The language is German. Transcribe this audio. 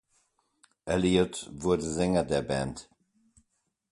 Elliott wurde Sänger der Band.